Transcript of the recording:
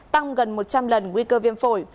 tăng gần một trăm linh lần nguy cơ viêm phổi